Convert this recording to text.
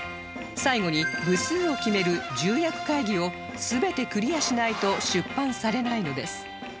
最後に部数を決める重役会議を全てクリアしないと出版されないのです